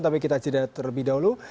tapi kita jeda terlebih dahulu